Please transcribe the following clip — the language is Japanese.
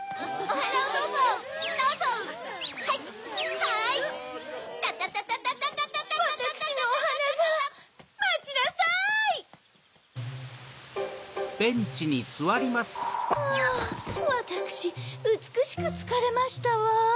はぁわたくしうつくしくつかれましたわ。